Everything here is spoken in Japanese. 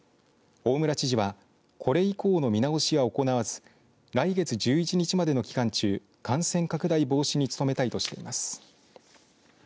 大村知事はこれ以降の見直しは行わず来月１１日までの期間中感染拡大防止に努めたいとしています。